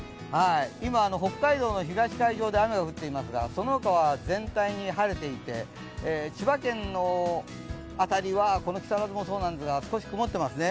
今、北海道の東海上で雨が降っていますがその他は全体に晴れていて、千葉県の辺りはこの木更津もそうなんですが、少し曇っていますね。